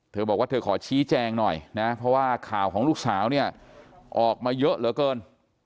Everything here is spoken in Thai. เธอบอกว่าเธอขอชี้แจงหน่อยนะเพราะว่าข่าวของลูกสาวเนี่ยออกมาเยอะเหลือเกิน